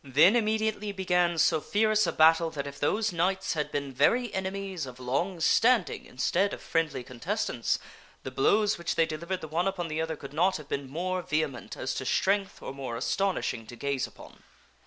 Then immediately began so fierce a battle that if those knights had been very enemies of long standing instead of friendly contestants, the blows which they delivered the one upon the other could not have been more vehement as to strength or more astonishing to gaze upon.